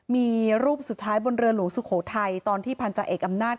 มีรูปสุดท้ายบนเรือหลวงสุโขทัยตอนที่พันธาเอกอำนาจ